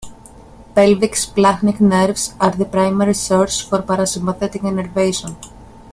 Pelvic splanchnic nerves are the primary source for parasympathetic innervation.